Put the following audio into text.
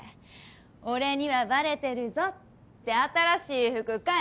俺にはバレてるぞ」って新しい服買え！